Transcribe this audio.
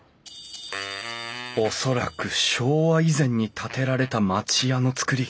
恐らく昭和以前に建てられた町家の造り